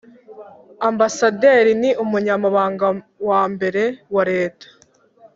Ambasaderi n Umunyamabanga wa mbere wa leta.